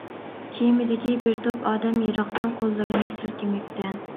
كېمىدىكى بىر توپ ئادەم يىراقتىن قوللىرىنى سىلكىمەكتە.